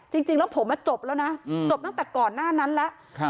จริงแล้วผมจบแล้วนะจบตั้งแต่ก่อนหน้านั้นแล้ว